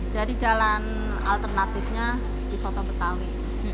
jadi jalan alternatifnya di soto betawi